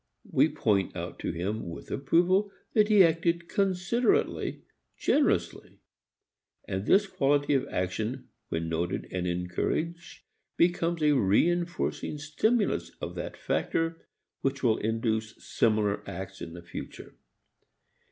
We point out to him with approval that he acted considerately, generously. And this quality of action when noted and encouraged becomes a reinforcing stimulus of that factor which will induce similar acts in the future.